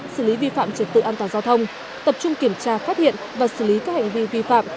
xử lý vi phạm trật tự an toàn giao thông tập trung kiểm tra phát hiện và xử lý các hành vi vi phạm